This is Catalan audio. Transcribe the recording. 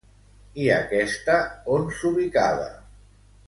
I, aquesta, on s'ubicava?